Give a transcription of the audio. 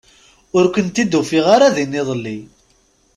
Ur kent-id-ufiɣ ara din iḍelli.